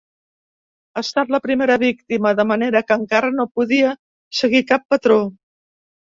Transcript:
Ha estat la primera víctima, de manera que encara no podia seguir cap patró.